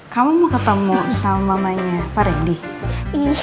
kamu mau ketemu sama mamanya pak rendy